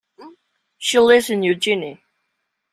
She lives in Eugene.